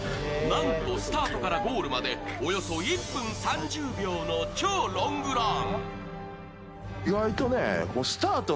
なんと、スタートからゴールまでおよそ１分３０秒の超ロングラン。